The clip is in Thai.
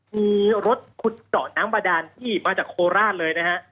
มีรถขุดเจาะน้ำบาดานที่มาจากโคราชเลยนะฮะ